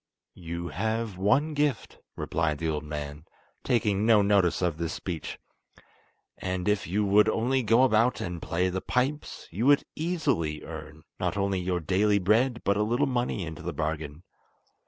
"You have one gift," replied the old man, taking no notice of this speech, "and if you would only go about and play the pipes, you would easily earn, not only your daily bread, but a little money into the bargain.